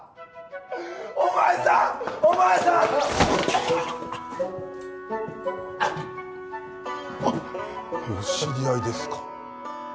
お前さんお前さん！あッ・お知り合いですか？